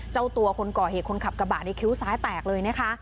เจ้าตัวคนก่อเหตุคนขับกระบะในคิ้วซ้ายแตกเลยนะคะ